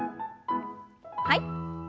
はい。